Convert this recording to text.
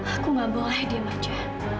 aku nggak boleh diam aja